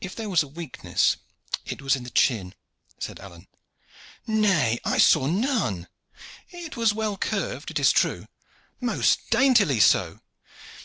"If there was a weakness it was in the chin," said Alleyne. "Nay. I saw none." "It was well curved, it is true." "Most daintily so."